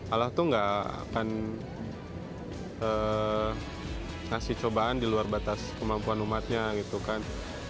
allah tuh gak akan ngasih cobaan di luar batas kemampuan umatnya gitu kan